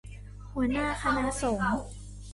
หัวหน้าคณะสงฆ์